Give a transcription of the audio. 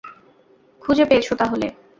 খুঁজে পেয়েছ তাহলে।